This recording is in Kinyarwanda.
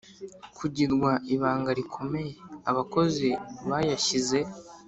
kugirwa ibanga rikomeye Abakozi bayashyize